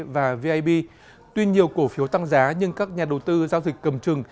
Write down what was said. vip tuy nhiều cổ phiếu tăng giá nhưng các nhà đầu tư giao dịch cầm trừng